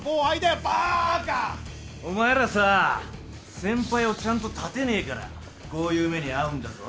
お前らさ先輩をちゃんと立てねえからこういう目に遭うんだぞ。